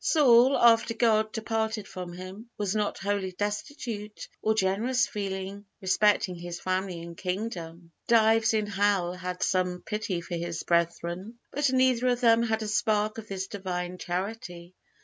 Saul, after God departed from him, was not wholly destitute of generous feeling respecting his family and kingdom. Dives in hell had some pity for his brethren! But neither of them had a spark of this Divine Charity.